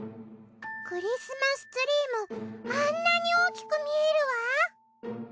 クリスマスツリーもあんなに大きく見えるわ！